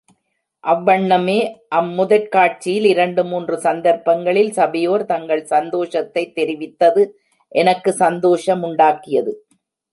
அவ்வண்ணமே, அம் முதற் காட்சியில் இரண்டு மூன்று சந்தர்ப்பங்களில் சபையோர் தங்கள் சந்தோஷத்தைத் தெரிவித்தது, எனக்கு சந்தோஷமுண்டாக்கியது.